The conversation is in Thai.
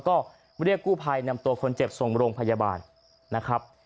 ให้เข้าไปตรวจสอบและก็เรียกกู้ภัยและนำตัวคนเจ็บส่งลงพยาบาลนะครับ